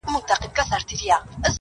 د تيارو اجاره دار محتسب راغى!!